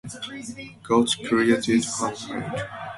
God created and made.